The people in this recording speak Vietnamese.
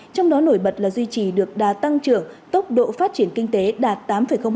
trong đó nổi bật là duy trì được đà tăng trưởng tốc độ phát triển kinh tế đạt tám ba